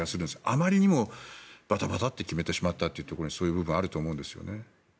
あまりにもバタバタと決めてしまったというそういう部分があると思うんですよね。